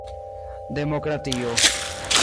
demokratio